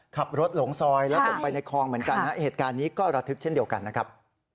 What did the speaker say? หลงซอยแล้วตกไปในคลองเหมือนกันนะเหตุการณ์นี้ก็ระทึกเช่นเดียวกันนะครับ